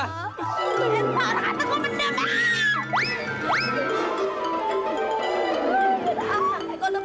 tarah aku mendem